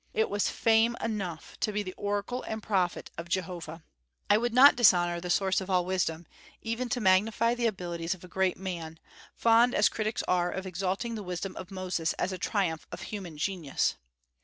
It was fame enough to be the oracle and prophet of Jehovah. I would not dishonor the source of all wisdom, even to magnify the abilities of a great man, fond as critics are of exalting the wisdom of Moses as a triumph of human genius.